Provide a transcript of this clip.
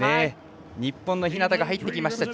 日本の日向が入ってきました。